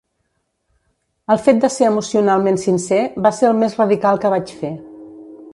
El fet de ser emocionalment sincer va ser el més radical que vaig fer.